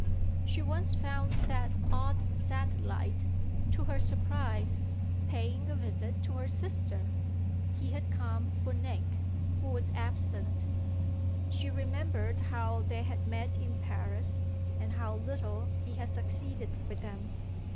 She once found that odd satellite, to her surprise, paying a visit to her sister he had come for Nick, who was absent; she remembered how they had met in Paris and how little he had succeeded with them.